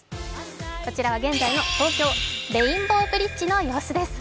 こちらは現在の東京・レインボーブリッジの様子です。